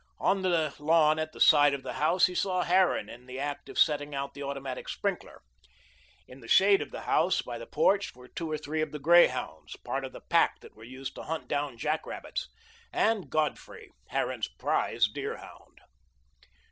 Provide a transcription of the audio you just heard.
On the lawn at the side of the house, he saw Harran in the act of setting out the automatic sprinkler. In the shade of the house, by the porch, were two or three of the greyhounds, part of the pack that were used to hunt down jack rabbits, and Godfrey, Harran's prize deerhound.